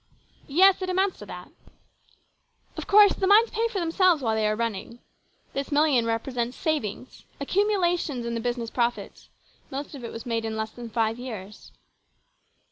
" Yes, it amounts to that. Of course the mines pay for themselves while they are running. This million represents savings, accumulations in the 174 HIS BROTHER'S KEEPER. business profits ; most of it was made in less than five years."